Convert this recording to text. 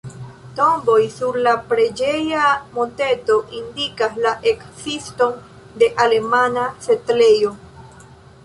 Tomboj sur la preĝeja monteto indikas la ekziston de alemana setlejo.